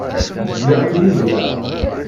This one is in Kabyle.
Zgiɣ ttinigeɣ.